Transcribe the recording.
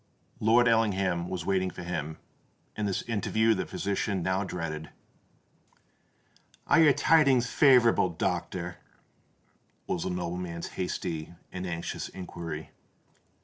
Lord Ellingham was waiting for him; and this interview the physician now dreaded. "Are your tidings favourable, doctor?" was the nobleman's hasty and anxious inquiry.